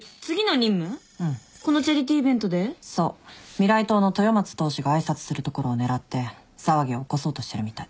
未来党の豊松党首が挨拶するところを狙って騒ぎを起こそうとしてるみたい。